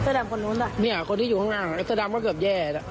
เสื้อดำคนโน้นเนี่ยคนที่อยู่ข้างเสื้อดำก็เกือบแย่